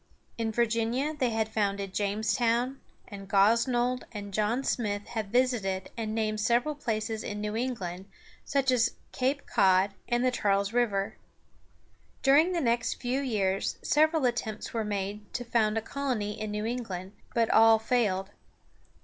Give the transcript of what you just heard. In Virginia they had founded Jamestown, and Gosnold and John Smith had visited and named several places in New England, such as Cape Cod and the Charles River. During the next few years several attempts were made to found a colony in New England, but all failed.